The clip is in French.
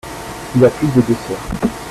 Il a plus de deux sœurs.